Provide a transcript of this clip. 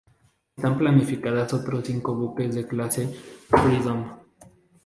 Están planificados otros cinco buques de la clase "Freedom".